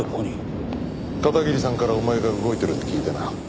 片桐さんからお前が動いてるって聞いてな。